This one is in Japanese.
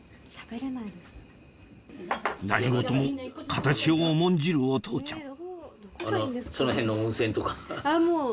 何事も形を重んじるお父ちゃん